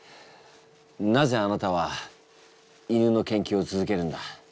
なぜあなたは犬の研究を続けるんだ？